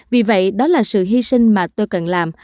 vì vậy đó là sự hy sinh mà tôi cần làm